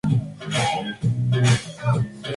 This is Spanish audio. Protagonizada por Sandra Bullock y Bill Pullman.